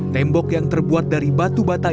tembok yang terbuat dari batu batai